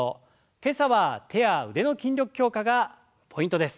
今朝は手や腕の筋力強化がポイントです。